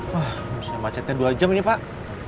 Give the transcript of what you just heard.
wah bisa macetnya dua jam ini pak